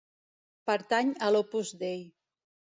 Pertany a l'Opus Dei.